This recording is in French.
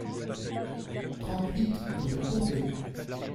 trente-huit rue Courbée